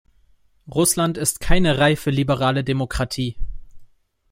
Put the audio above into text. Russland ist keine reife liberale Demokratie.